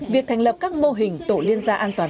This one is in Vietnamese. việc thành lập các mô hình tổ liên gia an toàn